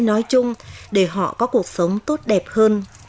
nói chung để họ có cuộc sống tốt đẹp hơn